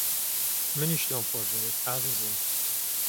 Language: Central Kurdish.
منیش تۆم خۆش دەوێت، ئازیزم.